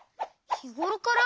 ひごろから？